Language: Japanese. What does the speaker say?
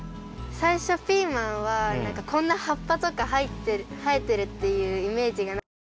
さいしょピーマンはこんなはっぱとかはえてるっていうイメージがなくて。